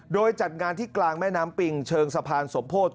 โดยจัดงานที่กลางแม่น้ำปิงเชิงสะพานสมโพธิ